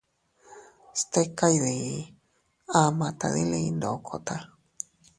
Stika diii ama tadili ndokota.